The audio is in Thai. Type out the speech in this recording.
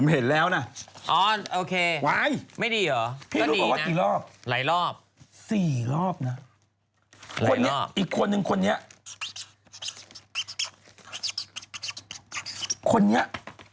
คนเดีย